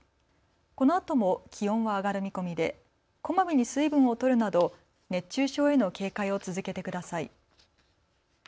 このあとも気温は上がる見込みでこまめに水分をとるなど熱中症への警戒を続けてください。